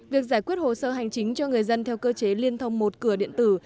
việc giải quyết hồ sơ hành chính cho người dân theo cơ chế liên thông một cửa điện tử